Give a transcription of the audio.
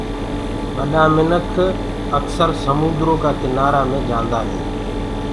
ٻڏآ مينک اڪسر سموندرو ڪو ڪنآرآ مي جآندآ هينٚ۔